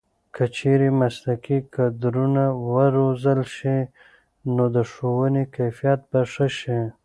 که چېرې مسلکي کدرونه وروزل شي نو د ښوونې کیفیت به ښه شي.